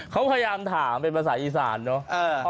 เขาพยายามถามเป็นภาษาอีสานเนอะ